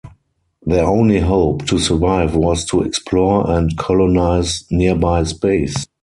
Their only hope to survive was to explore and colonize nearby space.